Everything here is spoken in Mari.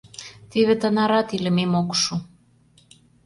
Теве тынарат илымем ок шу!